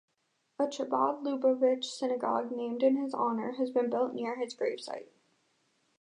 A Chabad Lubavitch synagogue named in his honour has been built near his gravesite.